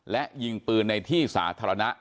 และยิงปืนในที่สาธารณะ